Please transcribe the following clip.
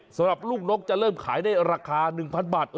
สำหรับลูกนกจะเริ่มขายได้ราคา๑๐๐บาท